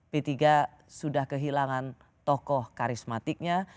p tiga sudah kehilangan tokoh karismatiknya